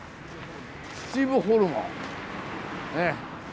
「秩父ホルモン」ね。